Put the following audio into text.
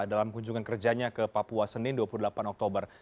dalam kunjungan kerjanya ke papua senin dua puluh delapan oktober